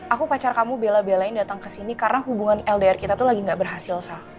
aku pacar kamu bela belain datang ke sini karena hubungan ldr kita tuh lagi gak berhasil soal